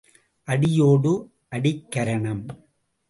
அடியோடு அடிக் கரணம்.